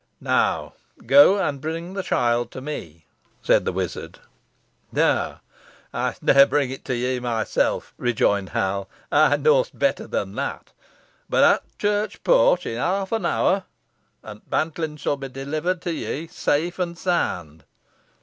"Now go and bring the child to me," said the wizard. "Nah, ey'st neaw bring it ye myself," rejoined Hal. "Ey knoas better nor that. Be at t' church porch i' half an hour, an t' bantlin shan be delivered to ye safe an sound."